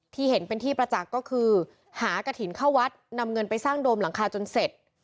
เห็นเป็นที่ประจักษ์ก็คือหากฐินเข้าวัดนำเงินไปสร้างโดมหลังคาจนเสร็จ